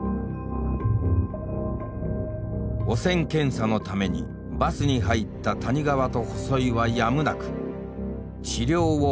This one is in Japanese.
汚染検査のためにバスに入った谷川と細井はやむなく治療を始める。